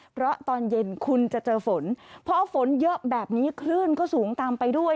เพราะตอนเย็นคุณจะเจอฝนพอฝนเยอะแบบนี้คลื่นก็สูงตามไปด้วย